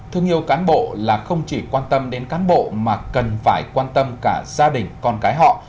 thương yêu cán bộ là không chỉ quan tâm đến cán bộ mà cần phải quan tâm cả gia đình con cái họ